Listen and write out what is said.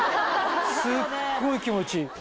すっごい気持ちいい。